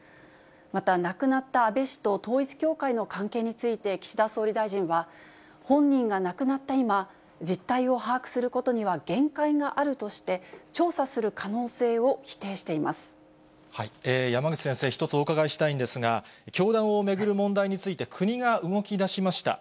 また亡くなった安倍氏と統一教会の関係について、岸田総理大臣は、本人が亡くなった今、実態を把握することには限界があるとして、山口先生、１つお伺いしたいんですが、教団を巡る問題について、国が動きだしました。